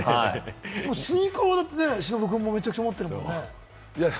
スニーカーは忍君もめちゃくちゃ持ってるもんね。